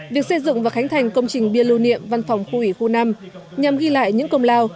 việc xây dựng và khánh thành công trình bia lưu niệm văn phòng khu ủy khu năm nhằm ghi lại những công lao